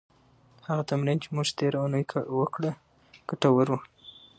هغه تمرین چې موږ تېره اونۍ وکړه، ګټور و.